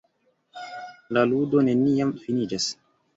La ludo neniam finiĝas.